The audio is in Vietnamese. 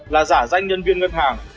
là giả danh nhân viên ngân hàng